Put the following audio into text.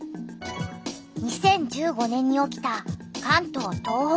２０１５年に起きた関東・東北豪雨。